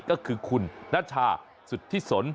ก็คือคุณนัชชาสุธิสน